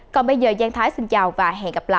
còn bây giờ giang thái xin chào và hẹn gặp lại